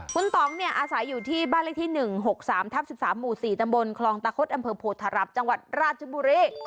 คุณต่องเนี่ยอาศัยอยู่ที่บ้านเลขที่๑๖๓ทับ๑๓หมู่๔ตำบลคลองตะคดอำเภอโพธารับจังหวัดราชบุรี